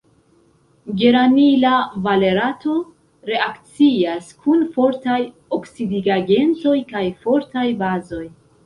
Geranila valerato reakcias kun fortaj oksidigagentoj kaj fortaj bazoj.